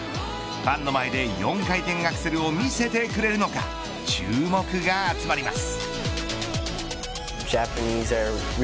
ファンの前で４回転アクセルを見せてくれるのか注目が集まります。